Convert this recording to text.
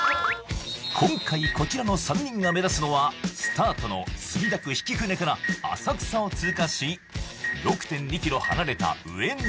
今回こちらの３人が目指すのはスタートの墨田区曳舟から浅草を通過し６．２ｋｍ離れた上野